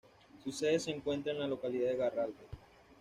Su sede se encuentra en la localidad de Garralda.